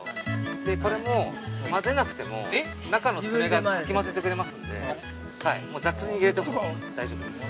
◆これも混ぜなくても、かき混ぜてくれますので、雑に入れても大丈夫です。